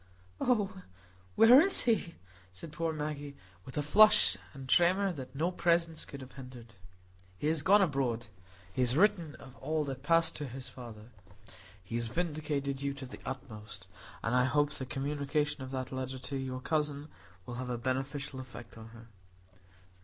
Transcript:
"Oh, where is he?" said poor Maggie, with a flush and tremor that no presence could have hindered. "He is gone abroad; he has written of all that passed to his father. He has vindicated you to the utmost; and I hope the communication of that letter to your cousin will have a beneficial effect on her."